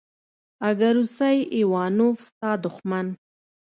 اگه روسی ايوانوف ستا دښمن.